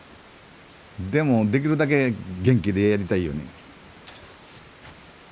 でもできるだけ元気でやりたいよね。